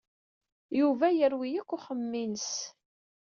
Yuba yerwi akk uxemmem-ines.